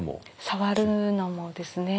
触るのもですね。